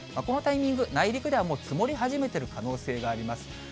このタイミング、内陸ではもう積もり始めている可能性があります。